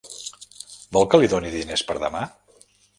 Vol que li doni diners per demà?